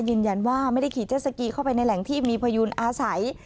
ยืนยันว่าไม่ได้ขี่เจสสกีเข้าไปในแหล่งที่มีพยูนอาศัย